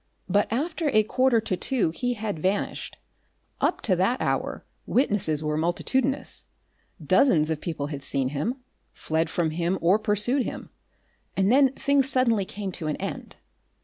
But after a quarter to two he had vanished. Up to that hour witnesses were multitudinous. Dozens of people had seen him, fled from him or pursued him, and then things suddenly came to an end.